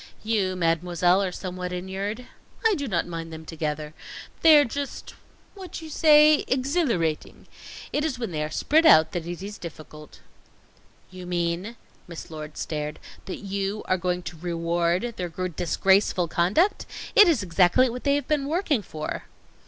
You, Mademoiselle, are somewhat inured " "I do not mind them together. They are just what you say? exhilarating. It is when they are spread out that it is difficult." "You mean," Miss Lord stared "that you are going to reward their disgraceful conduct? It is exactly what they have been working for."